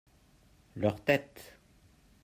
leurs têtes.